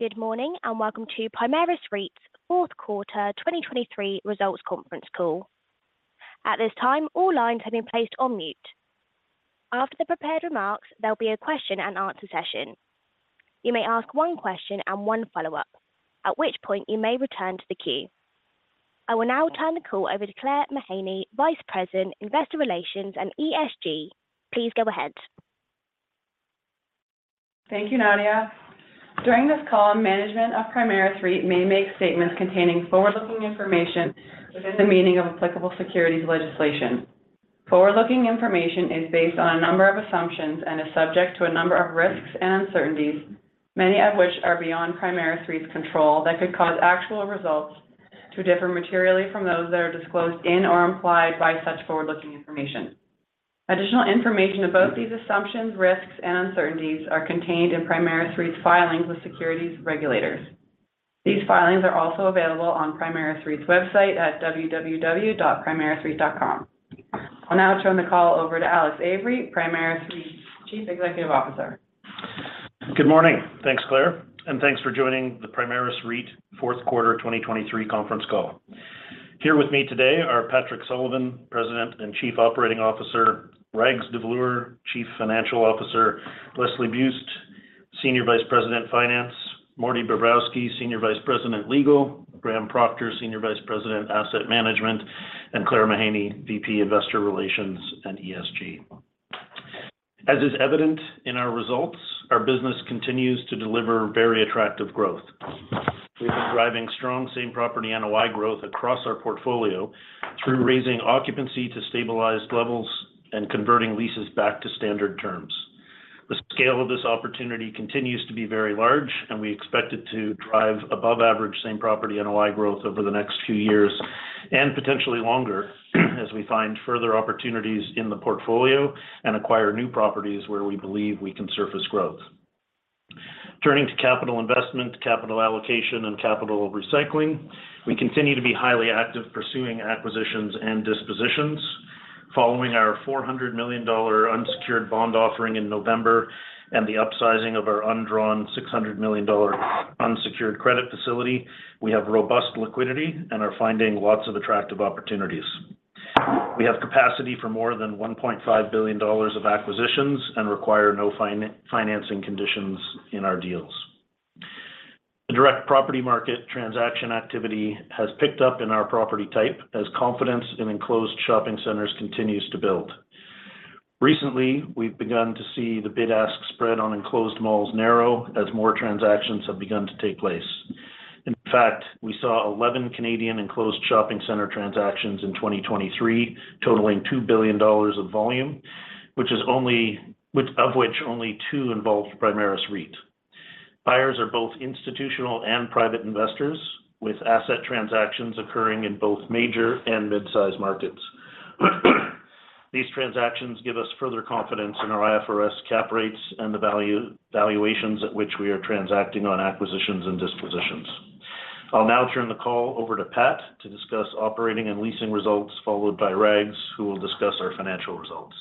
Good morning and welcome to Primaris REIT's fourth quarter 2023 results conference call. At this time, all lines have been placed on mute. After the prepared remarks, there'll be a question-and-answer session. You may ask one question and one follow-up, at which point you may return to the queue. I will now turn the call over to Claire Mahaney, Vice President, Investor Relations and ESG. Please go ahead. Thank you, Nadia. During this call, management of Primaris REIT may make statements containing forward-looking information within the meaning of applicable securities legislation. Forward-looking information is based on a number of assumptions and is subject to a number of risks and uncertainties, many of which are beyond Primaris REIT's control that could cause actual results to differ materially from those that are disclosed in or implied by such forward-looking information. Additional information about these assumptions, risks, and uncertainties are contained in Primaris REIT's filings with securities regulators. These filings are also available on Primaris REIT's website at www.primarisreit.com. I'll now turn the call over to Alex Avery, Primaris REIT's Chief Executive Officer. Good morning. Thanks, Claire, and thanks for joining the Primaris REIT fourth quarter 2023 conference call. Here with me today are Patrick Sullivan, President and Chief Operating Officer, Rags Davloor, Chief Financial Officer, Leslie Buist, Senior Vice President Finance, Mordecai Bobrowsky, Senior Vice President Legal, Graham Procter, Senior Vice President Asset Management, and Claire Mahaney, VP Investor Relations and ESG. As is evident in our results, our business continues to deliver very attractive growth. We've been driving strong same property NOI growth across our portfolio through raising occupancy to stabilized levels and converting leases back to standard terms. The scale of this opportunity continues to be very large, and we expect it to drive above-average same property NOI growth over the next few years and potentially longer as we find further opportunities in the portfolio and acquire new properties where we believe we can surface growth. Turning to capital investment, capital allocation, and capital recycling, we continue to be highly active pursuing acquisitions and dispositions. Following our 400 million dollar unsecured bond offering in November and the upsizing of our undrawn 600 million dollar unsecured credit facility, we have robust liquidity and are finding lots of attractive opportunities. We have capacity for more than 1.5 billion dollars of acquisitions and require no financing conditions in our deals. The direct property market transaction activity has picked up in our property type as confidence in enclosed shopping centers continues to build. Recently, we've begun to see the bid-ask spread on enclosed malls narrow as more transactions have begun to take place. In fact, we saw 11 Canadian enclosed shopping center transactions in 2023 totaling 2 billion dollars of volume, of which only two involved Primaris REIT. Buyers are both institutional and private investors, with asset transactions occurring in both major and midsize markets. These transactions give us further confidence in our IFRS cap rates and the valuations at which we are transacting on acquisitions and dispositions. I'll now turn the call over to Pat to discuss operating and leasing results, followed by Rags, who will discuss our financial results.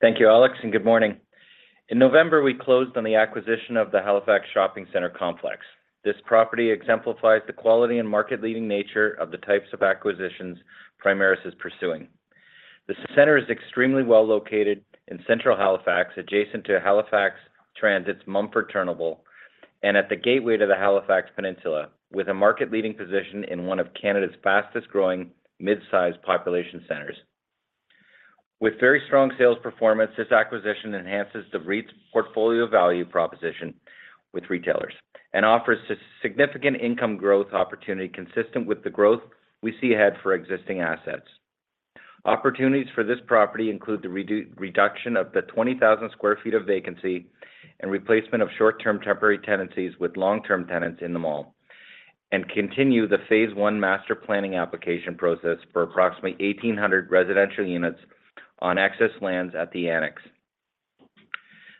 Thank you, Alex, and good morning. In November, we closed on the acquisition of the Halifax Shopping Centre complex. This property exemplifies the quality and market-leading nature of the types of acquisitions Primaris is pursuing. The center is extremely well located in central Halifax, adjacent to Halifax Transit's Mumford Terminal and at the gateway to the Halifax Peninsula, with a market-leading position in one of Canada's fastest-growing midsize population centers. With very strong sales performance, this acquisition enhances the REIT's portfolio value proposition with retailers and offers significant income growth opportunity consistent with the growth we see ahead for existing assets. Opportunities for this property include the reduction of the 20,000 sq ft of vacancy and replacement of short-term temporary tenancies with long-term tenants in the mall, and continue the phase one master planning application process for approximately 1,800 residential units on excess lands at the Annex.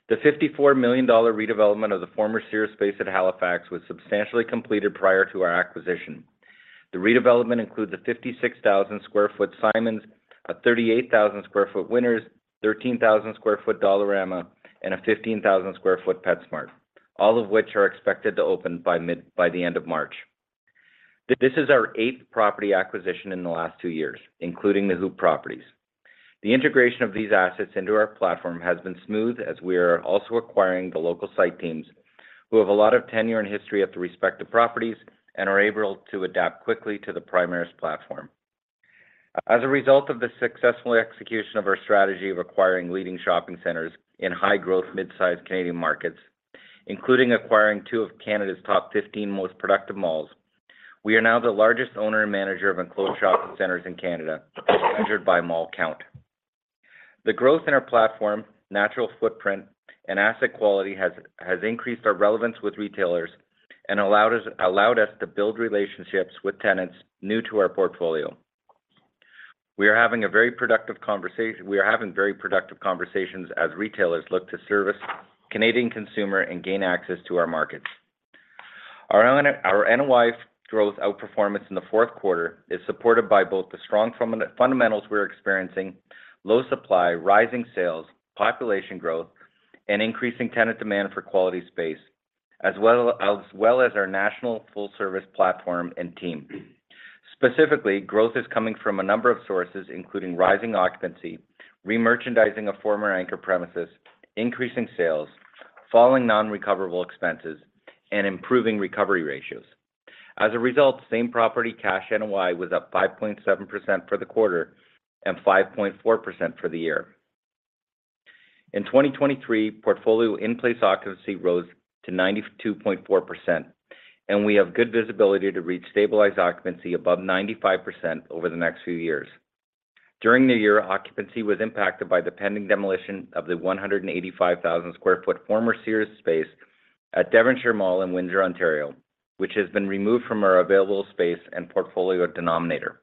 The 54 million dollar redevelopment of the former Sears space at Halifax was substantially completed prior to our acquisition. The redevelopment includes a 56,000 sq ft Simons, a 38,000 sq ft Winners, 13,000 sq ft Dollarama, and a 15,000 sq ft PetSmart, all of which are expected to open by the end of March. This is our eighth property acquisition in the last two years, including the HOOPP properties. The integration of these assets into our platform has been smooth as we are also acquiring the local site teams, who have a lot of tenure and history at the respective properties and are able to adapt quickly to the Primaris platform. As a result of the successful execution of our strategy of acquiring leading shopping centers in high-growth midsize Canadian markets, including acquiring two of Canada's top 15 most productive malls, we are now the largest owner and manager of enclosed shopping centers in Canada, measured by mall count. The growth in our platform, natural footprint, and asset quality has increased our relevance with retailers and allowed us to build relationships with tenants new to our portfolio. We are having very productive conversations as retailers look to service Canadian consumer and gain access to our markets. Our NOI growth outperformance in the fourth quarter is supported by both the strong fundamentals we're experiencing, low supply, rising sales, population growth, and increasing tenant demand for quality space, as well as our national full-service platform and team. Specifically, growth is coming from a number of sources, including rising occupancy, remerchandising a former anchor premises, increasing sales, falling non-recoverable expenses, and improving recovery ratios. As a result, same property cash NOI was up 5.7% for the quarter and 5.4% for the year. In 2023, portfolio in-place occupancy rose to 92.4%, and we have good visibility to reach stabilized occupancy above 95% over the next few years. During the year, occupancy was impacted by the pending demolition of the 185,000 sq ft former Sears space at Devonshire Mall in Windsor, Ontario, which has been removed from our available space and portfolio denominator.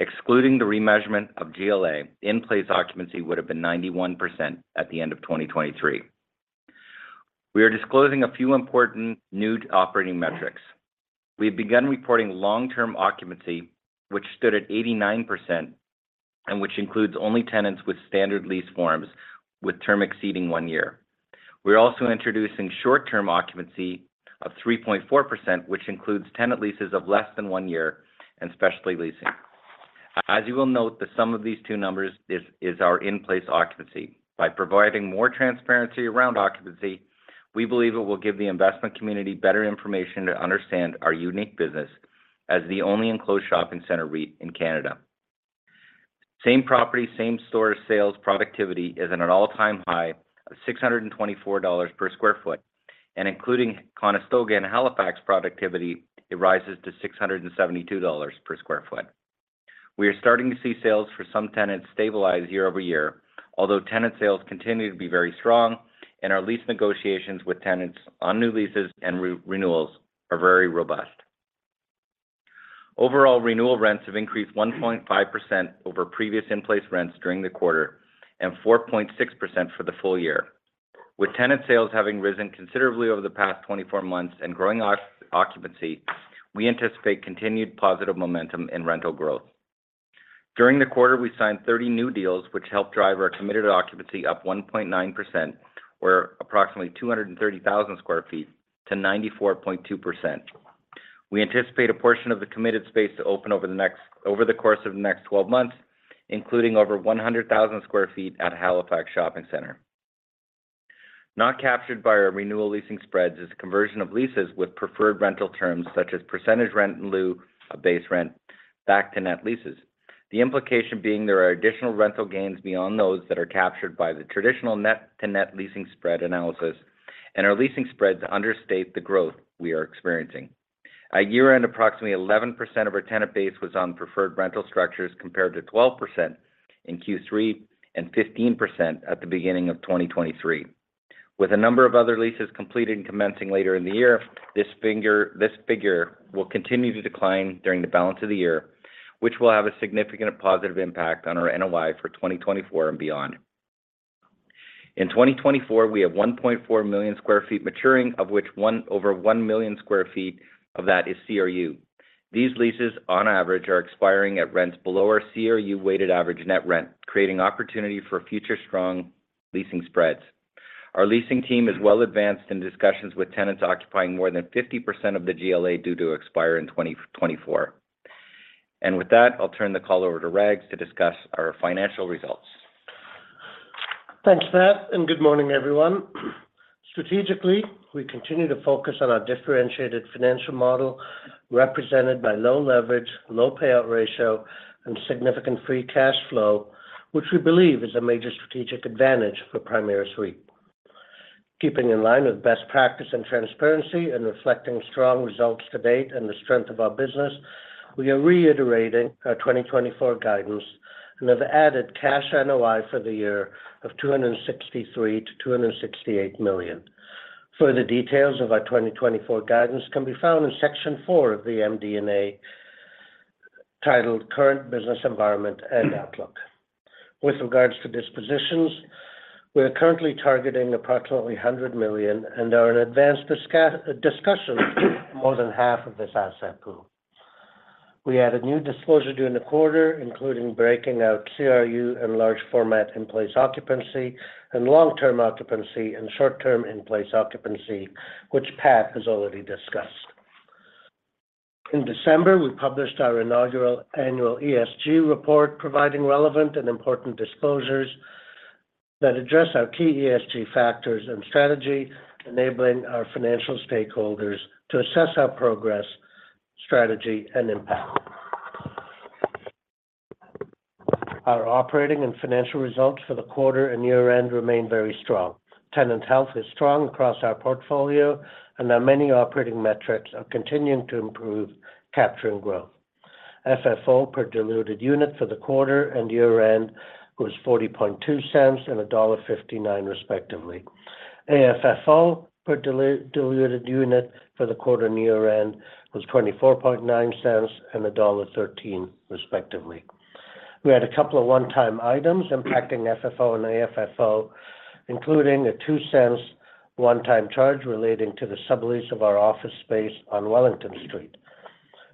Excluding the remeasurement of GLA, in-place occupancy would have been 91% at the end of 2023. We are disclosing a few important new operating metrics. We have begun reporting long-term occupancy, which stood at 89%, and which includes only tenants with standard lease forms with terms exceeding one year. We are also introducing short-term occupancy of 3.4%, which includes tenant leases of less than one year and specialty leasing. As you will note, the sum of these two numbers is our in-place occupancy. By providing more transparency around occupancy, we believe it will give the investment community better information to understand our unique business as the only enclosed shopping center REIT in Canada. Same-property, same-store sales productivity is at an all-time high of 624 dollars per sq ft, and including Conestoga and Halifax productivity, it rises to 672 dollars per sq ft. We are starting to see sales for some tenants stabilize year-over-year, although tenant sales continue to be very strong, and our lease negotiations with tenants on new leases and renewals are very robust. Overall, renewal rents have increased 1.5% over previous in-place rents during the quarter and 4.6% for the full year. With tenant sales having risen considerably over the past 24 months and growing occupancy, we anticipate continued positive momentum in rental growth. During the quarter, we signed 30 new deals, which helped drive our committed occupancy up 1.9%, or approximately 230,000 sq ft, to 94.2%. We anticipate a portion of the committed space to open over the course of the next 12 months, including over 100,000 sq ft at Halifax Shopping Centre. Not captured by our renewal leasing spreads is a conversion of leases with preferred rental terms such as percentage rent in lieu of base rent back-to-net leases, the implication being there are additional rental gains beyond those that are captured by the traditional net-to-net leasing spread analysis, and our leasing spreads understate the growth we are experiencing. At year-end, approximately 11% of our tenant base was on preferred rental structures compared to 12% in Q3 and 15% at the beginning of 2023. With a number of other leases completed and commencing later in the year, this figure will continue to decline during the balance of the year, which will have a significant positive impact on our NOI for 2024 and beyond. In 2024, we have 1.4 million sq ft maturing, of which over 1 million sq ft of that is CRU. These leases, on average, are expiring at rents below our CRU-weighted average net rent, creating opportunity for future strong leasing spreads. Our leasing team is well advanced in discussions with tenants occupying more than 50% of the GLA due to expire in 2024. With that, I'll turn the call over to Rags to discuss our financial results. Thanks, Pat, and good morning, everyone. Strategically, we continue to focus on our differentiated financial model represented by low leverage, low payout ratio, and significant free cash flow, which we believe is a major strategic advantage for Primaris REIT. Keeping in line with best practice and transparency and reflecting strong results to date and the strength of our business, we are reiterating our 2024 guidance and have added cash NOI for the year of 263 million-268 million. Further details of our 2024 guidance can be found in section four of the MD&A titled Current Business Environment and Outlook. With regards to dispositions, we are currently targeting approximately 100 million and are in advanced discussion of more than half of this asset pool. We add a new disclosure during the quarter, including breaking out CRU and large-format in-place occupancy and long-term occupancy and short-term in-place occupancy, which Pat has already discussed. In December, we published our inaugural annual ESG report, providing relevant and important disclosures that address our key ESG factors and strategy, enabling our financial stakeholders to assess our progress, strategy, and impact. Our operating and financial results for the quarter and year-end remain very strong. Tenant health is strong across our portfolio, and our many operating metrics are continuing to improve, capturing growth. FFO per diluted unit for the quarter and year-end was 0.402 and dollar 1.59, respectively. AFFO per diluted unit for the quarter and year-end was CAD 0.249 and dollar 1.13, respectively. We had a couple of one-time items impacting FFO and AFFO, including a 0.02 one-time charge relating to the sublease of our office space on Wellington Street.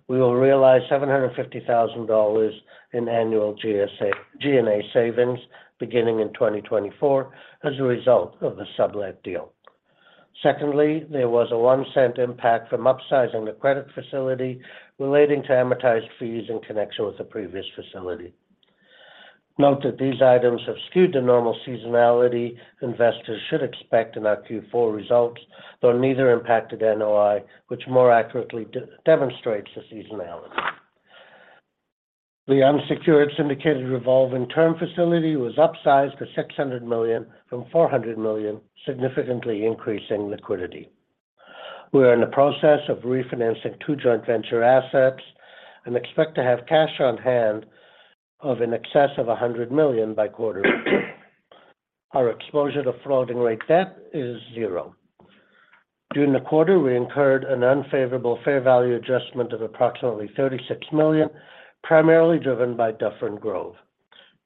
We will realize 750,000 dollars in annual G&A savings beginning in 2024 as a result of the sublet deal. Secondly, there was a 0.01 impact from upsizing the credit facility relating to amortized fees in connection with the previous facility. Note that these items have skewed the normal seasonality investors should expect in our Q4 results, though neither impacted NOI, which more accurately demonstrates the seasonality. The unsecured syndicated revolving term facility was upsized to 600 million from 400 million, significantly increasing liquidity. We are in the process of refinancing two joint venture assets and expect to have cash on hand of in excess of 100 million by quarter. Our exposure to floating-rate debt is zero. During the quarter, we incurred an unfavorable fair value adjustment of approximately 36 million, primarily driven by Dufferin Grove.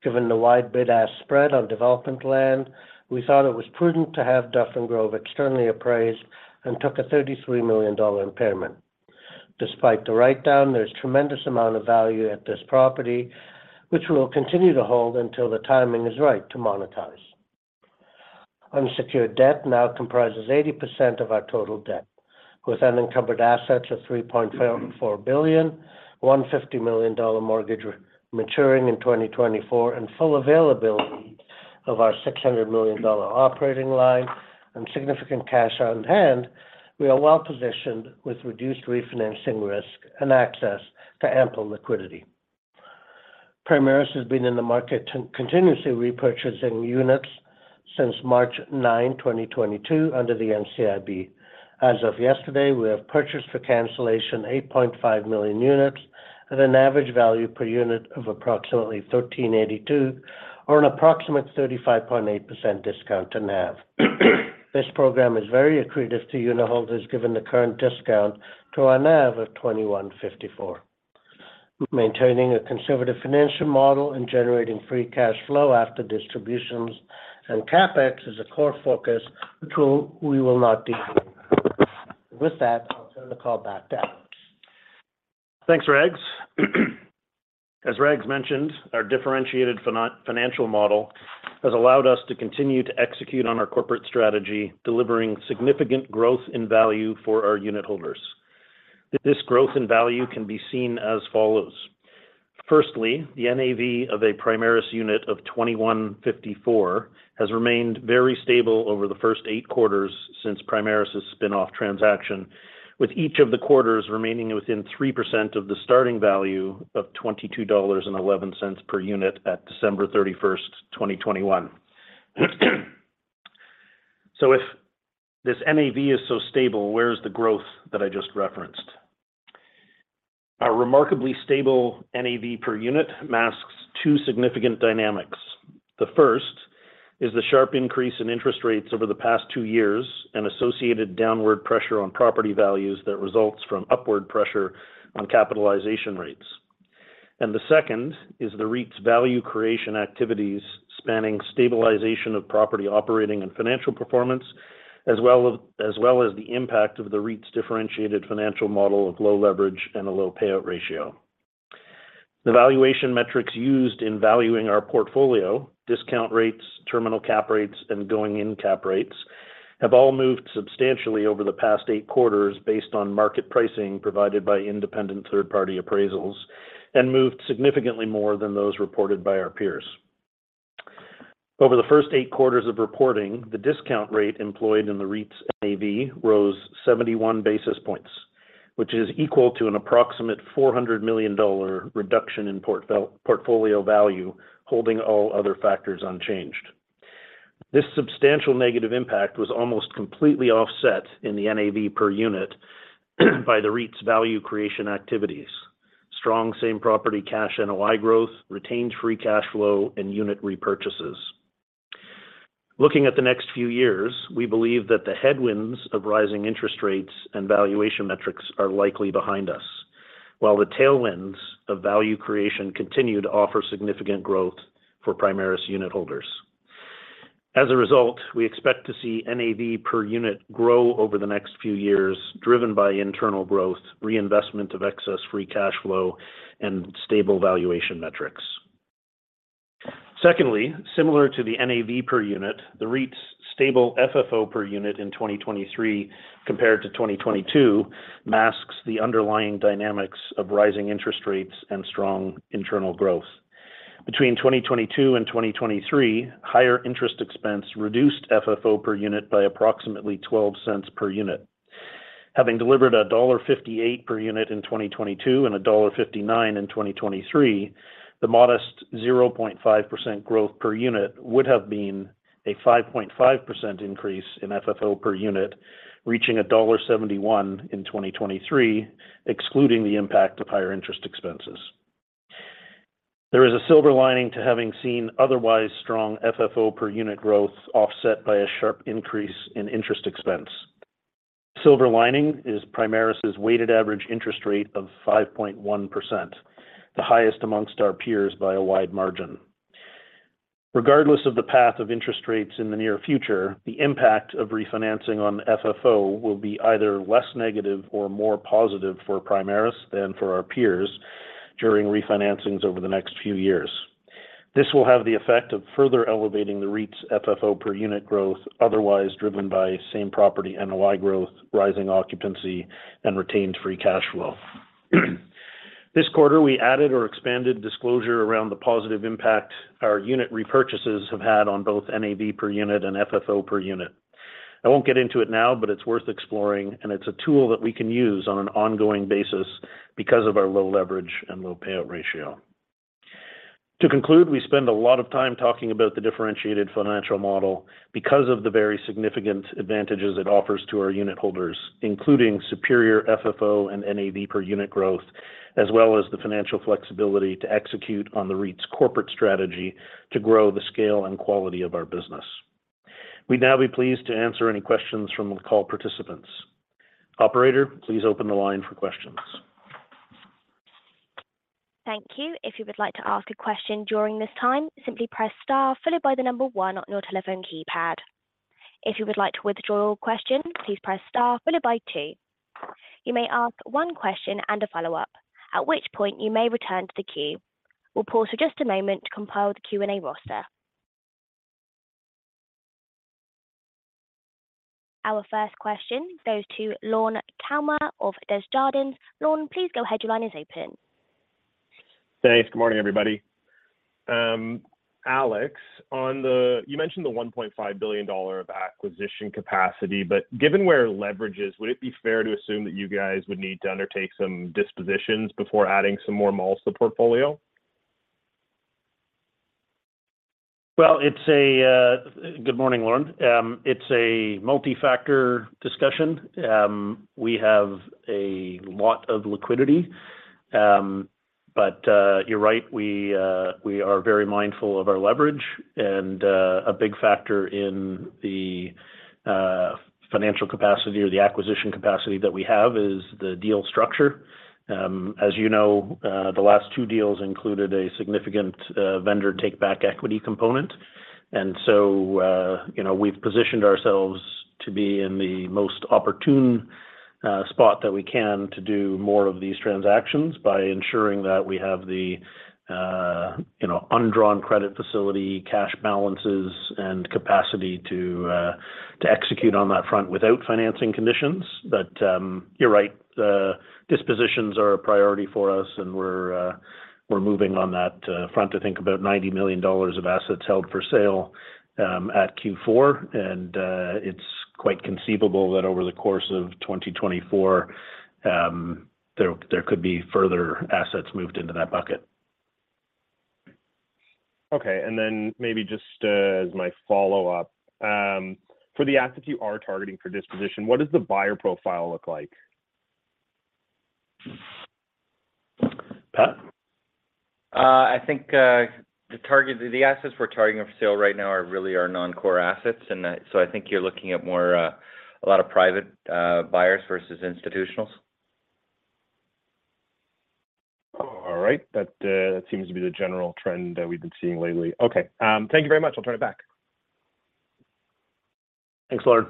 Given the wide bid-ask spread on development land, we thought it was prudent to have Dufferin Grove externally appraised and took a 33 million dollar impairment. Despite the write-down, there is a tremendous amount of value at this property, which we will continue to hold until the timing is right to monetize. Unsecured debt now comprises 80% of our total debt, with unencumbered assets of 3.4 billion, 150 million dollar mortgage maturing in 2024, and full availability of our 600 million dollar operating line and significant cash on hand. We are well positioned with reduced refinancing risk and access to ample liquidity. Primaris has been in the market continuously repurchasing units since March 9, 2022, under the NCIB. As of yesterday, we have purchased for cancellation 8.5 million units at an average value per unit of approximately 1,382, or an approximate 35.8% discount to NAV. This program is very accretive to unitholders given the current discount to our NAV of 2,154. Maintaining a conservative financial model and generating free cash flow after distributions and CapEx is a core focus, which we will not decouple. With that, I'll turn the call back to Alex. Thanks, Rags. As Rags mentioned, our differentiated financial model has allowed us to continue to execute on our corporate strategy, delivering significant growth in value for our unitholders. This growth in value can be seen as follows. Firstly, the NAV of a Primaris unit of 21.54 has remained very stable over the first eight quarters since Primaris's spinoff transaction, with each of the quarters remaining within 3% of the starting value of 22.11 dollars per unit at December 31, 2021. So if this NAV is so stable, where is the growth that I just referenced? Our remarkably stable NAV per unit masks two significant dynamics. The first is the sharp increase in interest rates over the past two years and associated downward pressure on property values that results from upward pressure on capitalization rates. The second is the REIT's value creation activities spanning stabilization of property operating and financial performance, as well as the impact of the REIT's differentiated financial model of low leverage and a low payout ratio. The valuation metrics used in valuing our portfolio (discount rates, terminal cap rates, and going-in cap rates) have all moved substantially over the past eight quarters based on market pricing provided by independent third-party appraisals and moved significantly more than those reported by our peers. Over the first eight quarters of reporting, the discount rate employed in the REIT's NAV rose 71 basis points, which is equal to an approximate 400 million dollar reduction in portfolio value holding all other factors unchanged. This substantial negative impact was almost completely offset in the NAV per unit by the REIT's value creation activities: strong same-property cash NOI growth, retained free cash flow, and unit repurchases. Looking at the next few years, we believe that the headwinds of rising interest rates and valuation metrics are likely behind us, while the tailwinds of value creation continue to offer significant growth for Primaris unitholders. As a result, we expect to see NAV per unit grow over the next few years, driven by internal growth, reinvestment of excess free cash flow, and stable valuation metrics. Secondly, similar to the NAV per unit, the REIT's stable FFO per unit in 2023 compared to 2022 masks the underlying dynamics of rising interest rates and strong internal growth. Between 2022 and 2023, higher interest expense reduced FFO per unit by approximately 0.12 per unit. Having delivered dollar 1.58 per unit in 2022 and dollar 1.59 in 2023, the modest 0.5% growth per unit would have been a 5.5% increase in FFO per unit, reaching dollar 1.71 in 2023, excluding the impact of higher interest expenses. There is a silver lining to having seen otherwise strong FFO per unit growth offset by a sharp increase in interest expense. Silver lining is Primaris's weighted average interest rate of 5.1%, the highest amongst our peers by a wide margin. Regardless of the path of interest rates in the near future, the impact of refinancing on FFO will be either less negative or more positive for Primaris than for our peers during refinancings over the next few years. This will have the effect of further elevating the REIT's FFO per unit growth, otherwise driven by same-property NOI growth, rising occupancy, and retained free cash flow. This quarter, we added or expanded disclosure around the positive impact our unit repurchases have had on both NAV per unit and FFO per unit. I won't get into it now, but it's worth exploring, and it's a tool that we can use on an ongoing basis because of our low leverage and low payout ratio. To conclude, we spend a lot of time talking about the differentiated financial model because of the very significant advantages it offers to our unitholders, including superior FFO and NAV per unit growth, as well as the financial flexibility to execute on the REIT's corporate strategy to grow the scale and quality of our business. We'd now be pleased to answer any questions from the call participants. Operator, please open the line for questions. Thank you. If you would like to ask a question during this time, simply press star followed by the number one on your telephone keypad. If you would like to withdraw your question, please press star followed by two. You may ask one question and a follow-up, at which point you may return to the queue. We'll pause for just a moment to compile the Q&A roster. Our first question goes to Lorne Kalmar of Desjardins. Lorne, please go ahead. Your line is open. Thanks. Good morning, everybody. Alex, you mentioned the 1.5 billion dollar of acquisition capacity, but given where leverage is, would it be fair to assume that you guys would need to undertake some dispositions before adding some more malls to the portfolio? Well, good morning, Lorne. It's a multifactor discussion. We have a lot of liquidity. But you're right, we are very mindful of our leverage, and a big factor in the financial capacity or the acquisition capacity that we have is the deal structure. As you know, the last two deals included a significant Vendor Take-Back Equity component. And so we've positioned ourselves to be in the most opportune spot that we can to do more of these transactions by ensuring that we have the undrawn credit facility, cash balances, and capacity to execute on that front without financing conditions. But you're right, dispositions are a priority for us, and we're moving on that front to think about CAD 90 million of assets held for sale at Q4. And it's quite conceivable that over the course of 2024, there could be further assets moved into that bucket. Okay. And then maybe just as my follow-up, for the assets you are targeting for disposition, what does the buyer profile look like? Pat? I think the assets we're targeting for sale right now really are non-core assets. And so I think you're looking at a lot of private buyers versus institutionals. All right. That seems to be the general trend that we've been seeing lately. Okay. Thank you very much. I'll turn it back. Thanks, Lorne.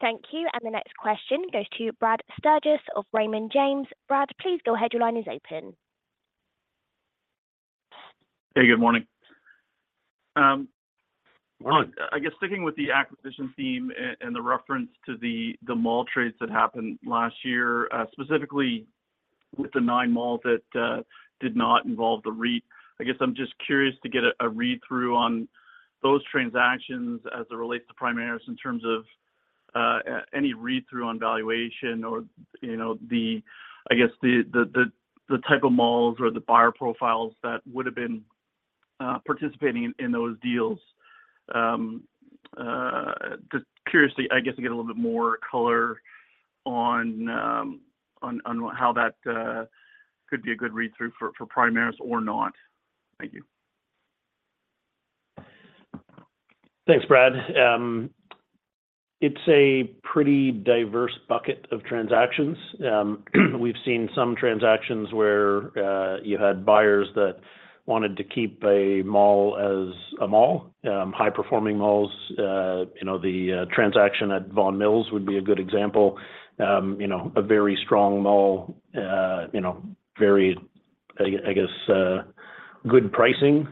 Thank you. The next question goes to Brad Sturges of Raymond James. Brad, please go ahead. Your line is open. Hey, good morning. I guess sticking with the acquisition theme and the reference to the mall trades that happened last year, specifically with the nine malls that did not involve the REIT, I guess I'm just curious to get a read-through on those transactions as it relates to Primaris in terms of any read-through on valuation or, I guess, the type of malls or the buyer profiles that would have been participating in those deals. Just curiously, I guess, to get a little bit more color on how that could be a good read-through for Primaris or not. Thank you. Thanks, Brad. It's a pretty diverse bucket of transactions. We've seen some transactions where you had buyers that wanted to keep a mall as a mall, high-performing malls. The transaction at Vaughan Mills would be a good example, a very strong mall, very, I guess, good pricing.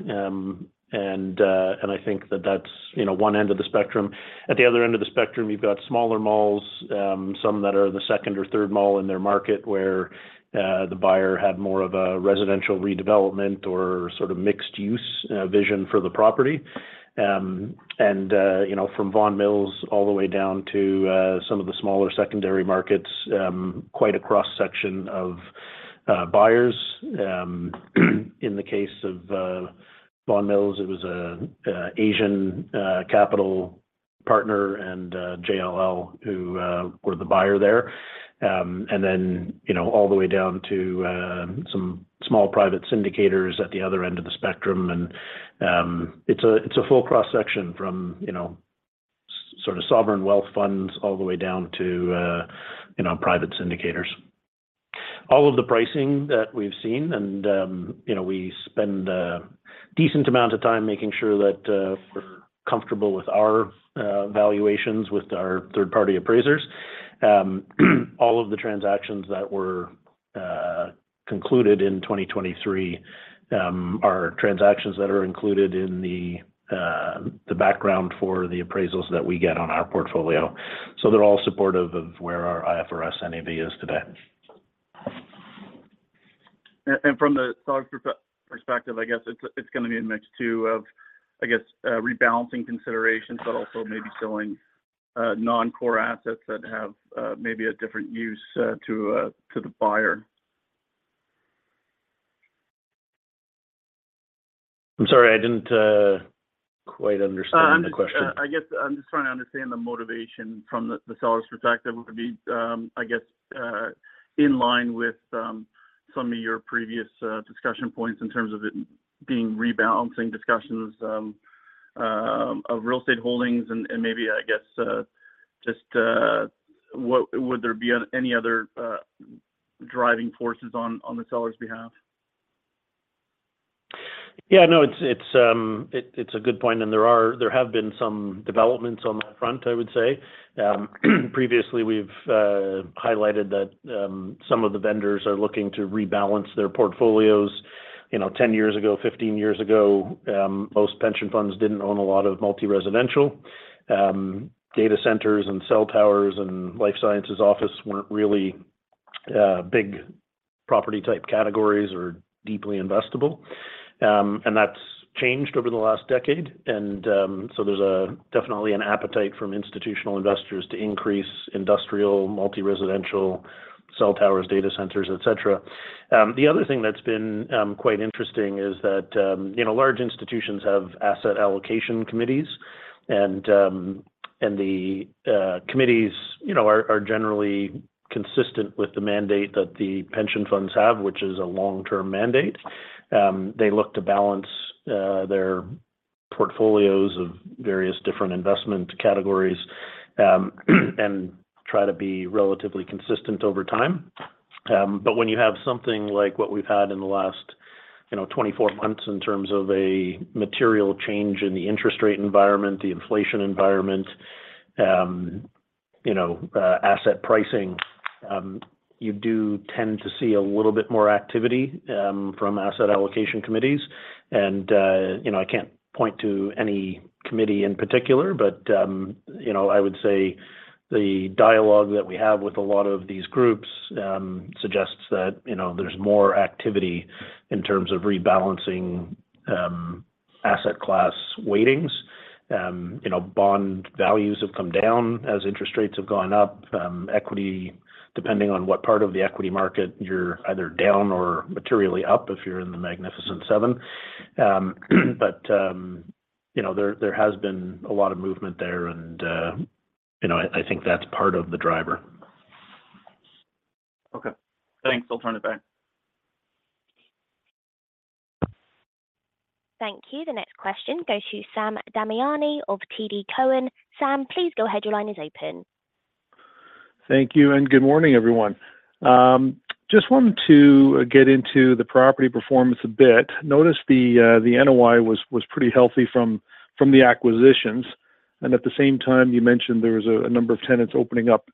And I think that that's one end of the spectrum. At the other end of the spectrum, you've got smaller malls, some that are the second or third mall in their market where the buyer had more of a residential redevelopment or sort of mixed-use vision for the property. And from Vaughan Mills all the way down to some of the smaller secondary markets, quite a cross-section of buyers. In the case of Vaughan Mills, it was an Asian capital partner and JLL who were the buyer there. And then all the way down to some small private syndicators at the other end of the spectrum. And it's a full cross-section from sort of sovereign wealth funds all the way down to private syndicators. All of the pricing that we've seen, and we spend a decent amount of time making sure that we're comfortable with our valuations with our third-party appraisers, all of the transactions that were concluded in 2023 are transactions that are included in the background for the appraisals that we get on our portfolio. So they're all supportive of where our IFRS NAV is today. From the seller's perspective, I guess it's going to be a mix too of, I guess, rebalancing considerations, but also maybe selling non-core assets that have maybe a different use to the buyer. I'm sorry. I didn't quite understand the question. I guess I'm just trying to understand the motivation from the seller's perspective. It would be, I guess, in line with some of your previous discussion points in terms of it being rebalancing discussions of real estate holdings and maybe, I guess, just would there be any other driving forces on the seller's behalf? Yeah. No, it's a good point. There have been some developments on that front, I would say. Previously, we've highlighted that some of the vendors are looking to rebalance their portfolios. 10 years ago, 15 years ago, most pension funds didn't own a lot of multi-residential. Data centers and cell towers and life sciences office weren't really big property-type categories or deeply investable. That's changed over the last decade. So there's definitely an appetite from institutional investors to increase industrial, multi-residential, cell towers, data centers, etc. The other thing that's been quite interesting is that large institutions have asset allocation committees. The committees are generally consistent with the mandate that the pension funds have, which is a long-term mandate. They look to balance their portfolios of various different investment categories and try to be relatively consistent over time. But when you have something like what we've had in the last 24 months in terms of a material change in the interest rate environment, the inflation environment, asset pricing, you do tend to see a little bit more activity from asset allocation committees. And I can't point to any committee in particular, but I would say the dialogue that we have with a lot of these groups suggests that there's more activity in terms of rebalancing asset class weightings. Bond values have come down as interest rates have gone up. Depending on what part of the equity market, you're either down or materially up if you're in the Magnificent Seven. But there has been a lot of movement there, and I think that's part of the driver. Okay. Thanks. I'll turn it back. Thank you. The next question goes to Sam Damiani of TD Cowen. Sam, please go ahead. Your line is open. Thank you. Good morning, everyone. Just wanted to get into the property performance a bit. Notice the NOI was pretty healthy from the acquisitions. At the same time, you mentioned there was a number of tenants opening up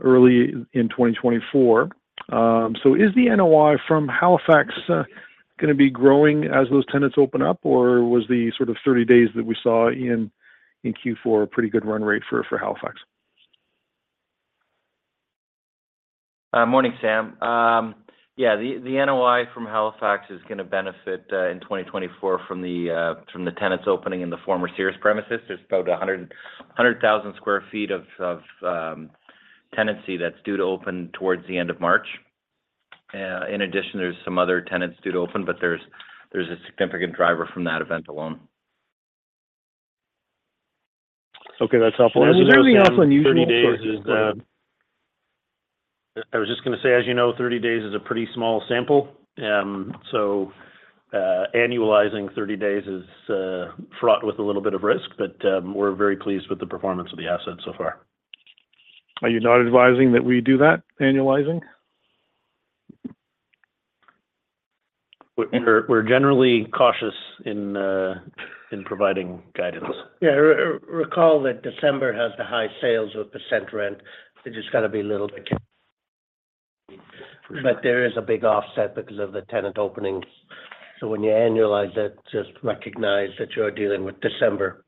early in 2024. So is the NOI from Halifax going to be growing as those tenants open up, or was the sort of 30 days that we saw in Q4 a pretty good run rate for Halifax? Morning, Sam. Yeah, the NOI from Halifax is going to benefit in 2024 from the tenants opening in the former Sears premises. There's about 100,000 sq ft of tenancy that's due to open towards the end of March. In addition, there's some other tenants due to open, but there's a significant driver from that event alone. Okay. That's helpful. Is there anything else unusual? I was just going to say, as you know, 30 days is a pretty small sample. So annualizing 30 days is fraught with a little bit of risk, but we're very pleased with the performance of the assets so far. Are you not advising that we do that annualizing? We're generally cautious in providing guidance. Yeah. Recall that December has the high sales with percent rent. They're just going to be a little bit cautious. But there is a big offset because of the tenant opening. So when you annualize it, just recognize that you are dealing with December.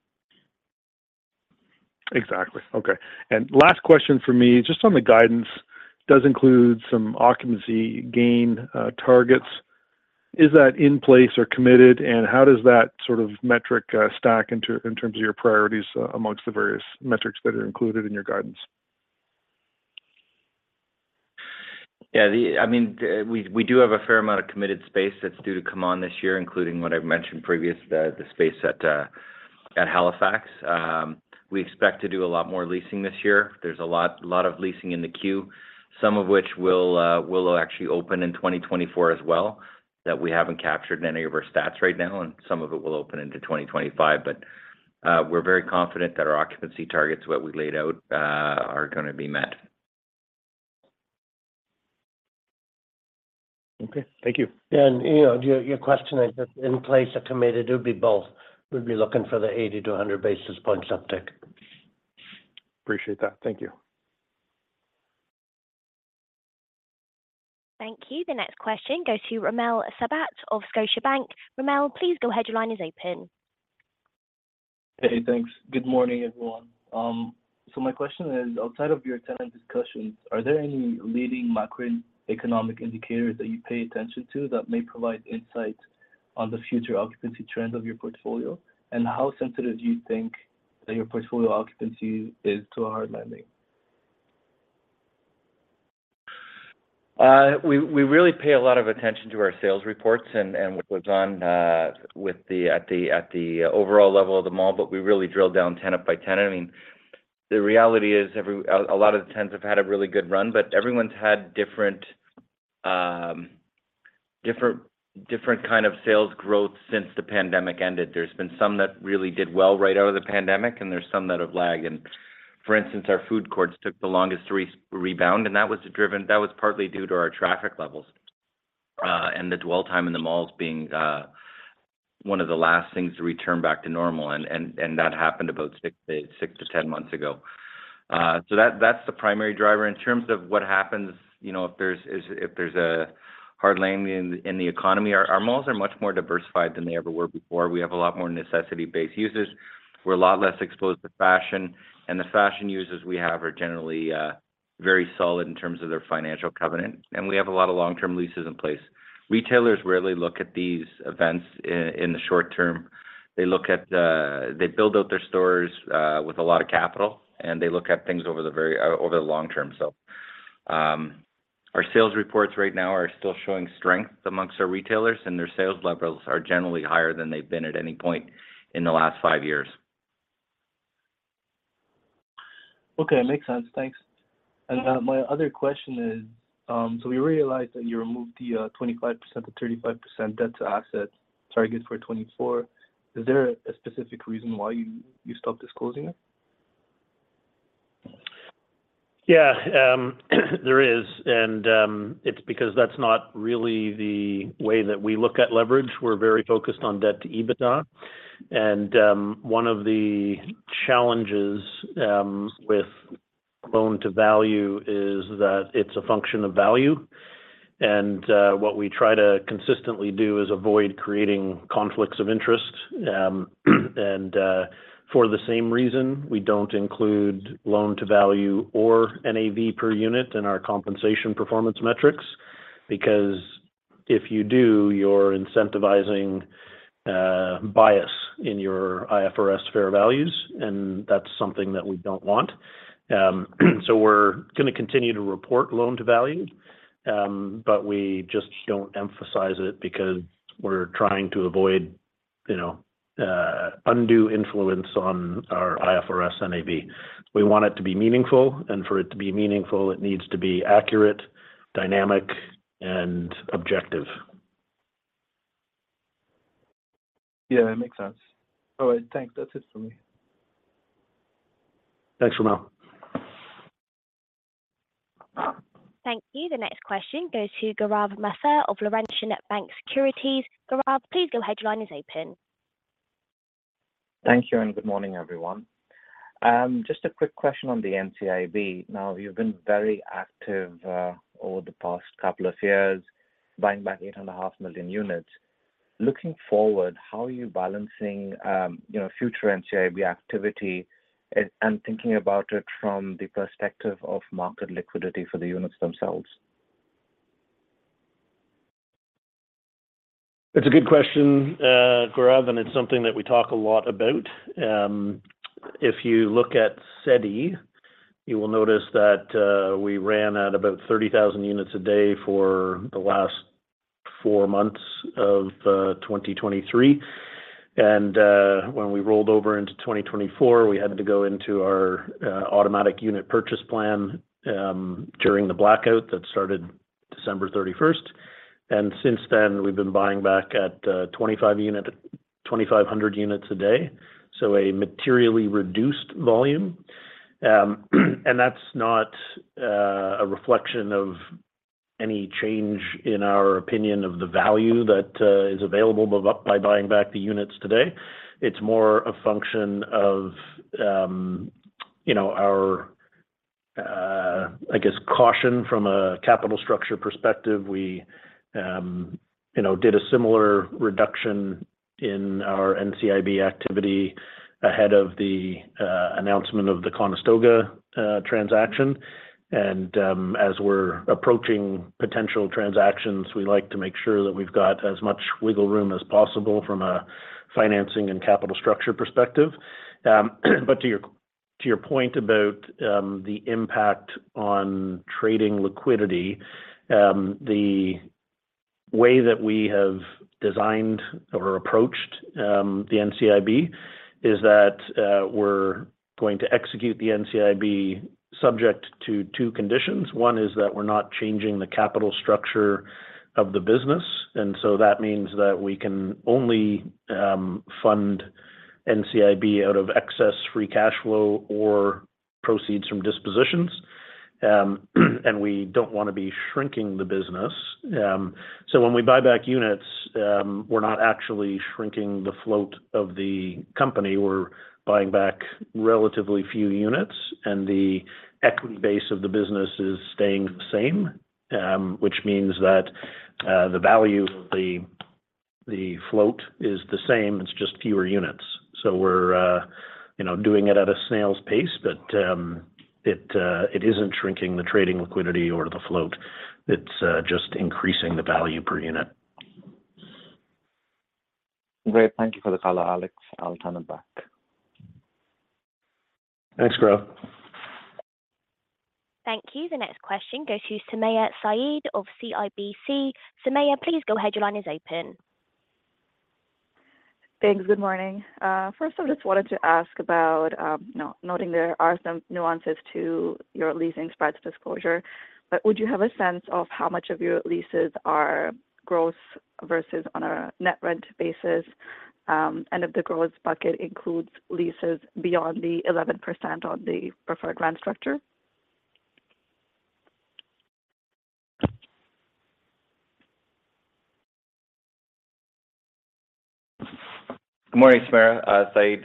Exactly. Okay. And last question for me, just on the guidance, does include some occupancy gain targets. Is that in place or committed, and how does that sort of metric stack in terms of your priorities amongst the various metrics that are included in your guidance? Yeah. I mean, we do have a fair amount of committed space that's due to come on this year, including what I've mentioned previously, the space at Halifax. We expect to do a lot more leasing this year. There's a lot of leasing in the queue, some of which will actually open in 2024 as well that we haven't captured in any of our stats right now. And some of it will open into 2025. But we're very confident that our occupancy targets, what we laid out, are going to be met. Okay. Thank you. Yeah. And your question, I guess, in place of committed, it would be both. We'd be looking for the 80 basis points-100 basis points uptick. Appreciate that. Thank you. Thank you. The next question goes to Romel Sabat of Scotiabank. Mario, please go ahead. Your line is open. Hey, thanks. Good morning, everyone. My question is, outside of your tenant discussions, are there any leading macroeconomic indicators that you pay attention to that may provide insight on the future occupancy trend of your portfolio? And how sensitive do you think that your portfolio occupancy is to a hard landing? We really pay a lot of attention to our sales reports and what goes on at the overall level of the mall, but we really drill down tenant by tenant. I mean, the reality is a lot of the tenants have had a really good run, but everyone's had different kind of sales growth since the pandemic ended. There's been some that really did well right out of the pandemic, and there's some that have lagged. And for instance, our food courts took the longest to rebound, and that was partly due to our traffic levels and the dwell time in the malls being one of the last things to return back to normal. And that happened about six to 10 months ago. So that's the primary driver. In terms of what happens if there's a hard landing in the economy, our malls are much more diversified than they ever were before. We have a lot more necessity-based users. We're a lot less exposed to fashion. And the fashion users we have are generally very solid in terms of their financial covenant. And we have a lot of long-term leases in place. Retailers rarely look at these events in the short term. They build out their stores with a lot of capital, and they look at things over the long term. So our sales reports right now are still showing strength among our retailers, and their sales levels are generally higher than they've been at any point in the last five years. Okay. Makes sense. Thanks. My other question is, so we realized that you removed the 25%-35% debt to assets. Sorry, I guess for 2024. Is there a specific reason why you stopped disclosing it? Yeah, there is. It's because that's not really the way that we look at leverage. We're very focused on debt to EBITDA. One of the challenges with loan to value is that it's a function of value. What we try to consistently do is avoid creating conflicts of interest. For the same reason, we don't include loan to value or NAV per unit in our compensation performance metrics because if you do, you're incentivizing bias in your IFRS fair values, and that's something that we don't want. We're going to continue to report loan to value, but we just don't emphasize it because we're trying to avoid undue influence on our IFRS NAV. We want it to be meaningful. For it to be meaningful, it needs to be accurate, dynamic, and objective. Yeah, that makes sense. All right. Thanks. That's it for me. Thanks, Romel. Thank you. The next question goes to Gaurav Mathur of Laurentian Bank Securities. Gaurav, please go ahead. Your line is open. Thank you, and good morning, everyone. Just a quick question on the NCIB. Now, you've been very active over the past couple of years buying back 8.5 million units. Looking forward, how are you balancing future NCIB activity and thinking about it from the perspective of market liquidity for the units themselves? It's a good question, Gaurav, and it's something that we talk a lot about. If you look at SEDI, you will notice that we ran at about 30,000 units a day for the last four months of 2023. When we rolled over into 2024, we had to go into our automatic unit purchase plan during the blackout that started December 31st. Since then, we've been buying back at 2,500 units a day, so a materially reduced volume. That's not a reflection of any change in our opinion of the value that is available by buying back the units today. It's more a function of our, I guess, caution from a capital structure perspective. We did a similar reduction in our NCIB activity ahead of the announcement of the Conestoga transaction. As we're approaching potential transactions, we like to make sure that we've got as much wiggle room as possible from a financing and capital structure perspective. But to your point about the impact on trading liquidity, the way that we have designed or approached the NCIB is that we're going to execute the NCIB subject to two conditions. One is that we're not changing the capital structure of the business. And so that means that we can only fund NCIB out of excess free cash flow or proceeds from dispositions. And we don't want to be shrinking the business. So when we buy back units, we're not actually shrinking the float of the company. We're buying back relatively few units, and the equity base of the business is staying the same, which means that the value of the float is the same. It's just fewer units. We're doing it at a snail's pace, but it isn't shrinking the trading liquidity or the float. It's just increasing the value per unit. Great. Thank you for the call, Alex. I'll turn it back. Thanks, Gaurav. Thank you. The next question goes to Sumayya Syed of CIBC. Sumayya, please go ahead. Your line is open. Thanks. Good morning. First, I just wanted to ask about noting there are some nuances to your leasing spreads disclosure. But would you have a sense of how much of your leases are gross versus on a net rent basis? And if the gross bucket includes leases beyond the 11% on the preferred rent structure? Good morning, Sumayya Syed.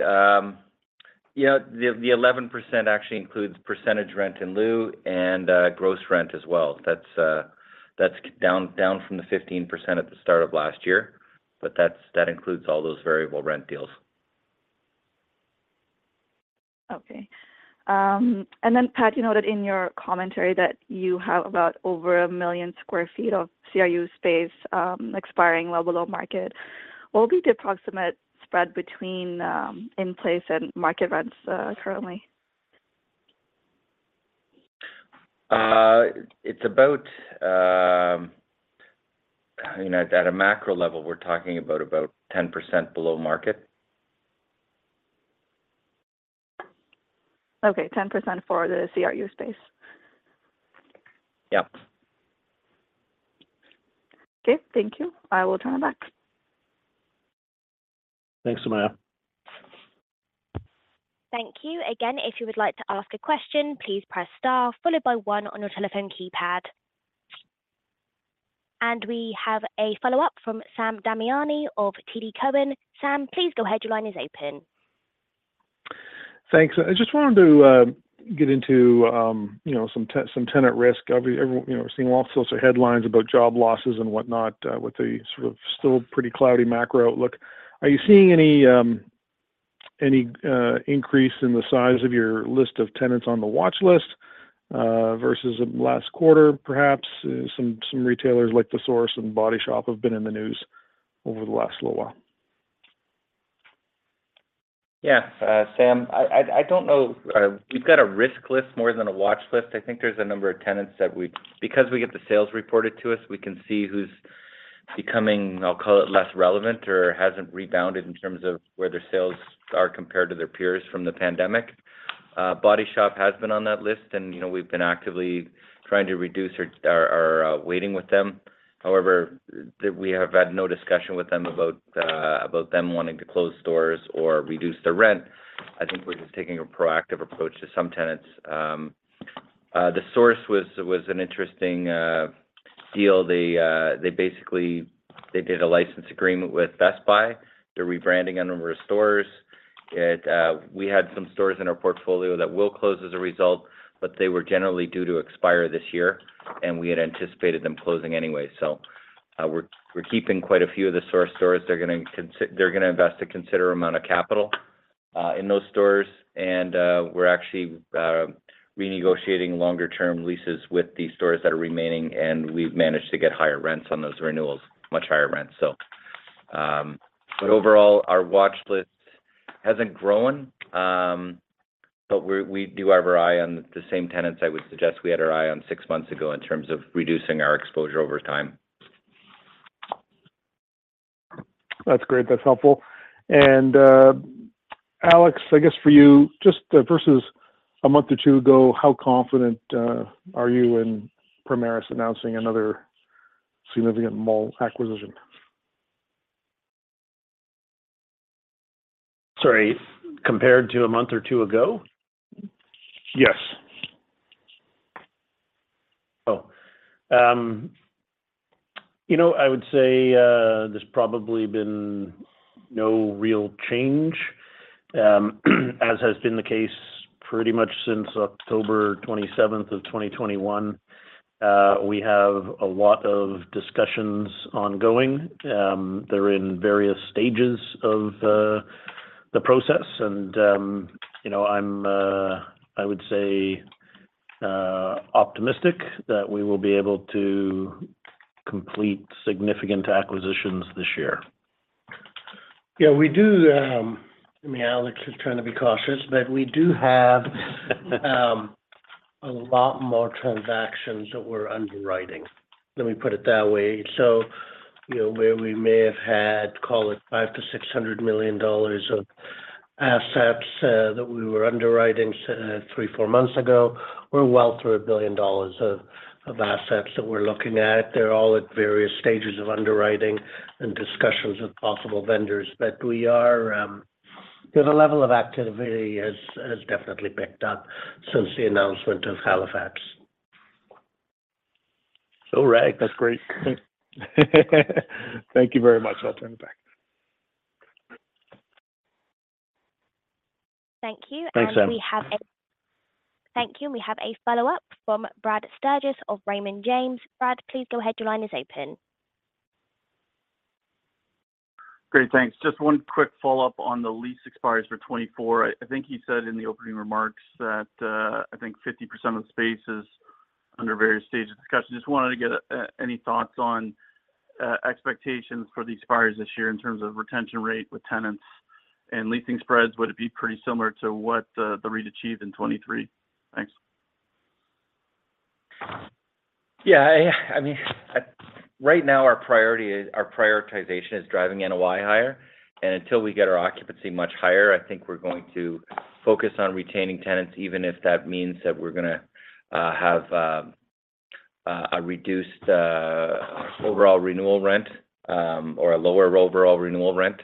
The 11% actually includes percentage rent in lieu and gross rent as well. That's down from the 15% at the start of last year, but that includes all those variable rent deals. Okay. And then, Pat, you noted in your commentary that you have about over 1 million sq ft of CRU space expiring well below market. What would be the approximate spread between in-place and market rents currently? It's about at a macro level, we're talking about 10% below market. Okay. 10% for the CRU space? Yep. Okay. Thank you. I will turn it back. Thanks, Sumayya. Thank you. Again, if you would like to ask a question, please press star followed by one on your telephone keypad. We have a follow-up from Sam Damiani of TD Cowen. Sam, please go ahead. Your line is open. Thanks. I just wanted to get into some tenant risk. We're seeing lots of social headlines about job losses and whatnot with the sort of still pretty cloudy macro outlook. Are you seeing any increase in the size of your list of tenants on the watch list versus last quarter, perhaps? Some retailers like The Source and Body Shop have been in the news over the last little while. Yeah, Sam. I don't know. We've got a risk list more than a watch list. I think there's a number of tenants that because we get the sales reported to us, we can see who's becoming, I'll call it, less relevant or hasn't rebounded in terms of where their sales are compared to their peers from the pandemic. Body Shop has been on that list, and we've been actively trying to reduce our weighting with them. However, we have had no discussion with them about them wanting to close stores or reduce their rent. I think we're just taking a proactive approach to some tenants. The Source was an interesting deal. They basically did a license agreement with Best Buy. They're rebranding a number of stores. We had some stores in our portfolio that will close as a result, but they were generally due to expire this year, and we had anticipated them closing anyway. So we're keeping quite a few of The Source stores. They're going to invest a considerable amount of capital in those stores, and we're actually renegotiating longer-term leases with the stores that are remaining, and we've managed to get higher rents on those renewals, much higher rents, so. But overall, our watch list hasn't grown, but we do have our eye on the same tenants I would suggest we had our eye on six months ago in terms of reducing our exposure over time. That's great. That's helpful. And Alex, I guess for you, just versus a month or two ago, how confident are you in Primaris announcing another significant mall acquisition? Sorry, compared to a month or two ago? Yes. Oh. I would say there's probably been no real change as has been the case pretty much since October 27th of 2021. We have a lot of discussions ongoing. They're in various stages of the process, and I would say optimistic that we will be able to complete significant acquisitions this year. Yeah, we do. I mean, Alex is trying to be cautious, but we do have a lot more transactions that we're underwriting. Let me put it that way. So where we may have had, call it, 500 million-600 million dollars of assets that we were underwriting three, four months ago, we're well through 1 billion dollars of assets that we're looking at. They're all at various stages of underwriting and discussions with possible vendors, but the level of activity has definitely picked up since the announcement of Halifax. All right. That's great. Thank you very much. I'll turn it back. Thank you. And we have a. Thanks, Sam. Thank you. We have a follow-up from Brad Sturges of Raymond James. Brad, please go ahead. Your line is open. Great. Thanks. Just one quick follow-up on the lease expires for 2024. I think you said in the opening remarks that I think 50% of the space is under various stages of discussion. Just wanted to get any thoughts on expectations for the expires this year in terms of retention rate with tenants and leasing spreads. Would it be pretty similar to what the REIT achieved in 2023? Thanks. Yeah. I mean, right now, our prioritization is driving NOI higher. And until we get our occupancy much higher, I think we're going to focus on retaining tenants, even if that means that we're going to have a reduced overall renewal rent or a lower overall renewal rent.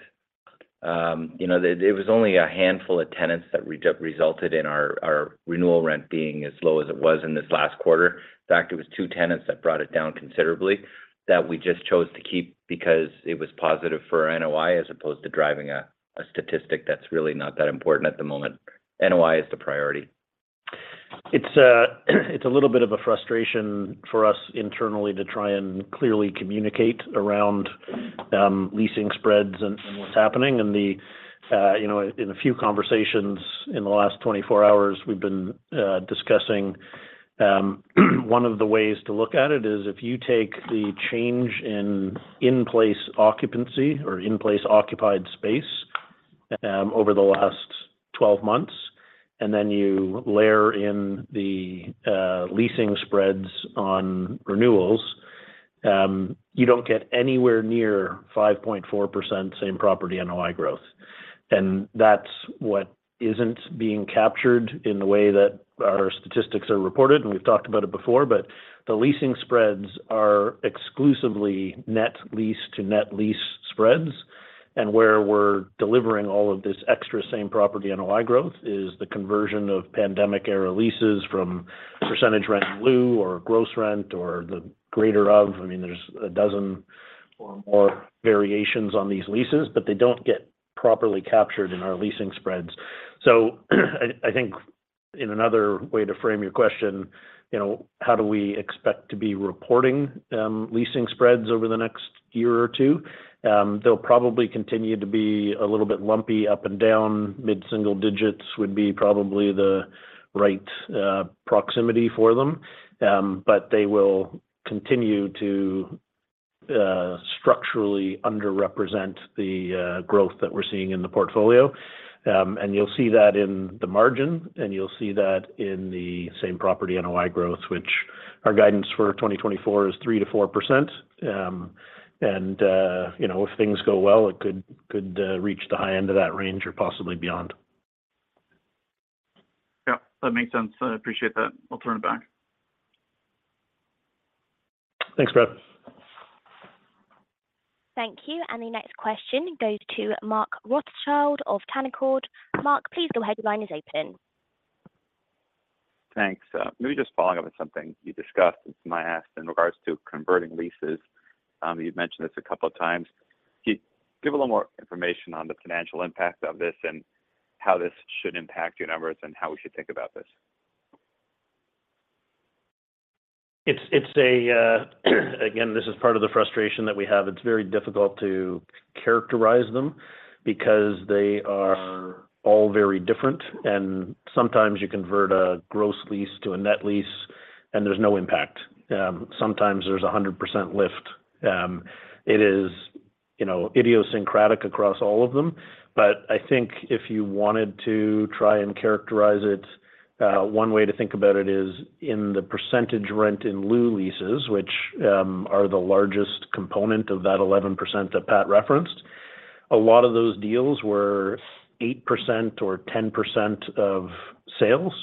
It was only a handful of tenants that resulted in our renewal rent being as low as it was in this last quarter. In fact, it was two tenants that brought it down considerably that we just chose to keep because it was positive for our NOI as opposed to driving a statistic that's really not that important at the moment. NOI is the priority. It's a little bit of a frustration for us internally to try and clearly communicate around leasing spreads and what's happening. And in a few conversations in the last 24 hours, we've been discussing one of the ways to look at it is if you take the change in in-place occupancy or in-place occupied space over the last 12 months, and then you layer in the leasing spreads on renewals, you don't get anywhere near 5.4% same property NOI growth. And that's what isn't being captured in the way that our statistics are reported. And we've talked about it before, but the leasing spreads are exclusively net lease to net lease spreads. And where we're delivering all of this extra same property NOI growth is the conversion of pandemic-era leases from percentage rent in lieu or gross rent or the greater of. I mean, there's a dozen or more variations on these leases, but they don't get properly captured in our leasing spreads. So I think in another way to frame your question, how do we expect to be reporting leasing spreads over the next year or two? They'll probably continue to be a little bit lumpy up and down. Mid-single digits would be probably the right proximity for them, but they will continue to structurally underrepresent the growth that we're seeing in the portfolio. And you'll see that in the margin, and you'll see that in the Same Property NOI growth, which our guidance for 2024 is 3%-4%. And if things go well, it could reach the high end of that range or possibly beyond. Yeah. That makes sense. I appreciate that. I'll turn it back. Thanks, Brad. Thank you. The next question goes to Mark Rothschild of Canaccord. Mark, please go ahead. Your line is open. Thanks. Maybe just following up on something you discussed and something I asked in regards to converting leases. You've mentioned this a couple of times. Give a little more information on the financial impact of this and how this should impact your numbers and how we should think about this. Again, this is part of the frustration that we have. It's very difficult to characterize them because they are all very different. Sometimes you convert a gross lease to a net lease, and there's no impact. Sometimes there's a 100% lift. It is idiosyncratic across all of them. I think if you wanted to try and characterize it, one way to think about it is in the percentage rent in lieu leases, which are the largest component of that 11% that Pat referenced, a lot of those deals were 8% or 10% of sales.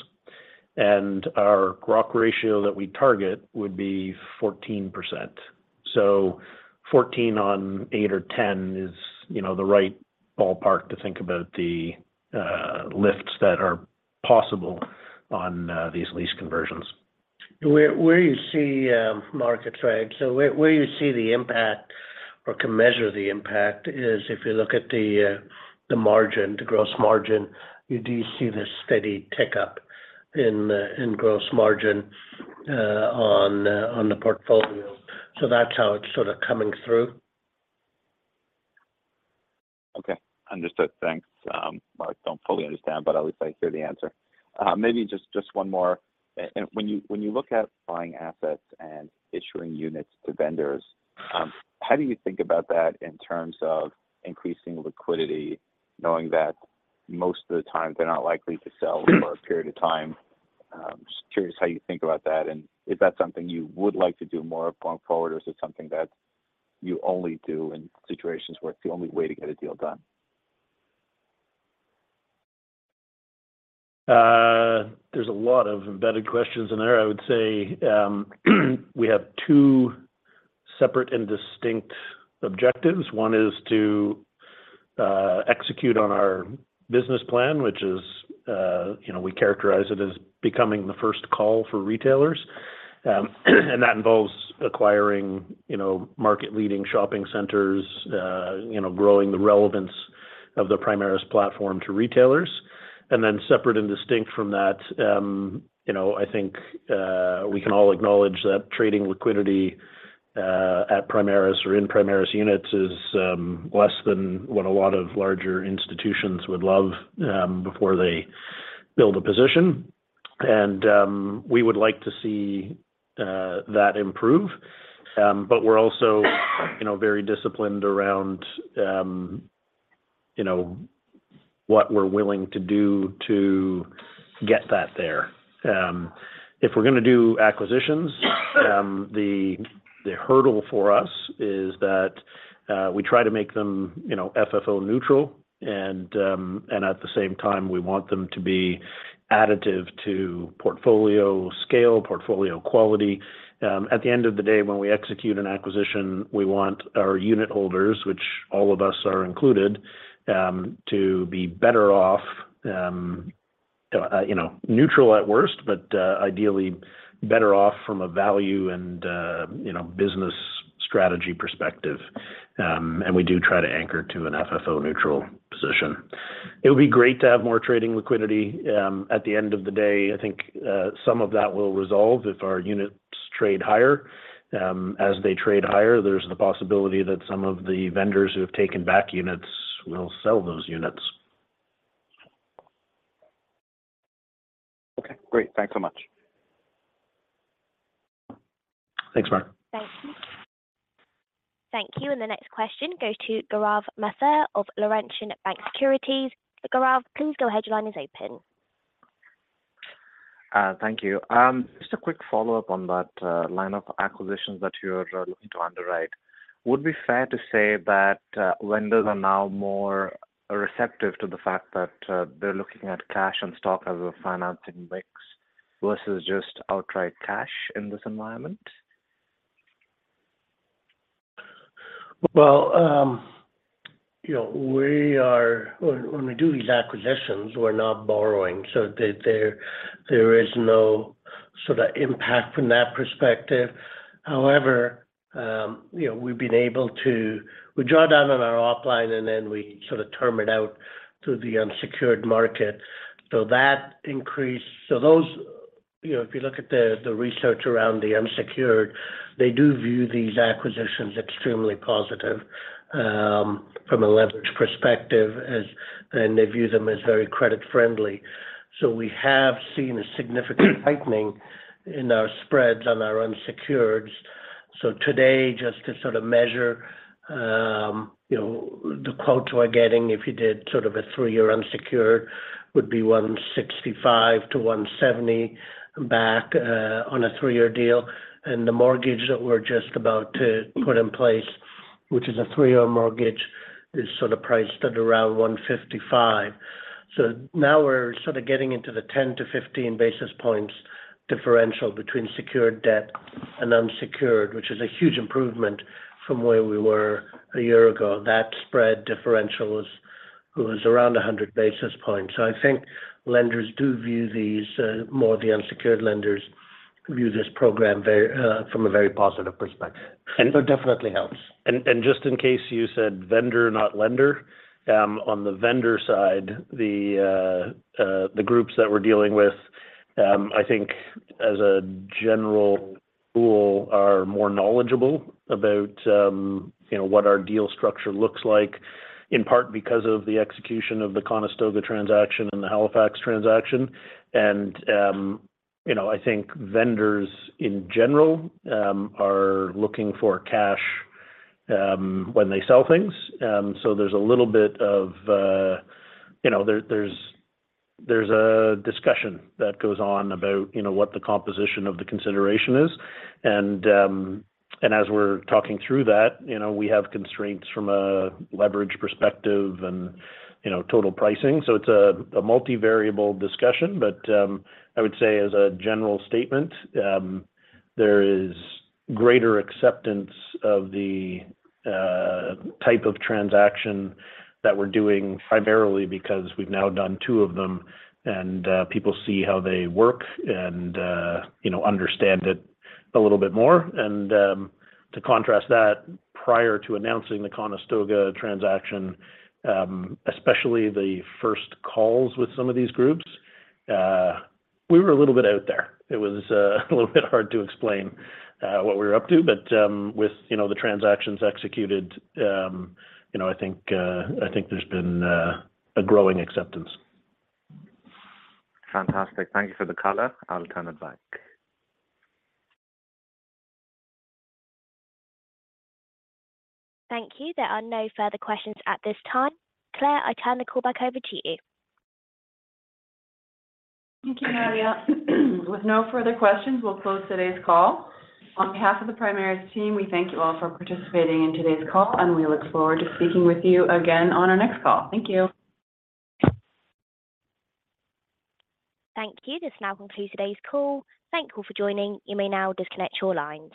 Our gross ratio that we target would be 14%. So 14 on eight or 10 is the right ballpark to think about the lifts that are possible on these lease conversions. Where you see market trade, so where you see the impact or can measure the impact is if you look at the margin, the gross margin, you do see this steady tick-up in gross margin on the portfolio. So that's how it's sort of coming through. Okay. Understood. Thanks. Well, I don't fully understand, but at least I hear the answer. Maybe just one more. And when you look at buying assets and issuing units to vendors, how do you think about that in terms of increasing liquidity, knowing that most of the time they're not likely to sell for a period of time? Curious how you think about that. And is that something you would like to do more of going forward, or is it something that you only do in situations where it's the only way to get a deal done? There's a lot of embedded questions in there. I would say we have two separate and distinct objectives. One is to execute on our business plan, which is we characterize it as becoming the first call for retailers. And that involves acquiring market-leading shopping centers, growing the relevance of the Primaris platform to retailers. And then separate and distinct from that, I think we can all acknowledge that trading liquidity at Primaris or in Primaris units is less than what a lot of larger institutions would love before they build a position. And we would like to see that improve. But we're also very disciplined around what we're willing to do to get that there. If we're going to do acquisitions, the hurdle for us is that we try to make them FFO neutral. And at the same time, we want them to be additive to portfolio scale, portfolio quality. At the end of the day, when we execute an acquisition, we want our unitholders, which all of us are included, to be better off, neutral at worst, but ideally better off from a value and business strategy perspective. We do try to anchor to an FFO neutral position. It would be great to have more trading liquidity. At the end of the day, I think some of that will resolve if our units trade higher. As they trade higher, there's the possibility that some of the vendors who have taken back units will sell those units. Okay. Great. Thanks so much. Thanks, Mark. Thank you. Thank you. The next question goes to Gaurav Mathur of Laurentian Bank Securities. Gaurav, please go ahead. Your line is open. Thank you. Just a quick follow-up on that line of acquisitions that you're looking to underwrite. Would it be fair to say that vendors are now more receptive to the fact that they're looking at cash and stock as a financing mix versus just outright cash in this environment? Well, when we do these acquisitions, we're not borrowing. So there is no sort of impact from that perspective. However, we've been able to draw down on our op line, and then we sort of term it out through the unsecured market. So that increased, so if you look at the research around the unsecured, they do view these acquisitions extremely positive from a leverage perspective, and they view them as very credit-friendly. So we have seen a significant tightening in our spreads on our unsecureds. So today, just to sort of measure the quotes we're getting, if you did sort of a three-year unsecured, it would be 165-170 back on a three-year deal. And the mortgage that we're just about to put in place, which is a three-year mortgage, is sort of priced at around 155. So now we're sort of getting into the 10-15 basis points differential between secured debt and unsecured, which is a huge improvement from where we were a year ago. That spread differential was around 100 basis points. So I think lenders do view these more the unsecured lenders view this program from a very positive perspective. So it definitely helps. Just in case, you said vendor, not lender. On the vendor side, the groups that we're dealing with, I think as a general rule, are more knowledgeable about what our deal structure looks like, in part because of the execution of the Conestoga transaction and the Halifax transaction. I think vendors in general are looking for cash when they sell things. So there's a little bit of a discussion that goes on about what the composition of the consideration is. As we're talking through that, we have constraints from a leverage perspective and total pricing. It's a multivariable discussion. I would say as a general statement, there is greater acceptance of the type of transaction that we're doing primarily because we've now done two of them, and people see how they work and understand it a little bit more. To contrast that, prior to announcing the Conestoga transaction, especially the first calls with some of these groups, we were a little bit out there. It was a little bit hard to explain what we were up to. But with the transactions executed, I think there's been a growing acceptance. Fantastic. Thank you for the caller. I'll turn it back. Thank you. There are no further questions at this time. Claire, I turn the call back over to you. Thank you, Maria. With no further questions, we'll close today's call. On behalf of the Primaris team, we thank you all for participating in today's call, and we look forward to speaking with you again on our next call. Thank you. Thank you. This now concludes today's call. Thank you for joining. You may now disconnect your lines.